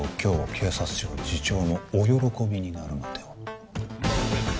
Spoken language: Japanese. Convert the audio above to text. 警察庁次長もお喜びになるのでは？